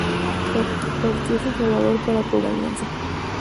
Partió hacia El Salvador para probarse en el Alianza.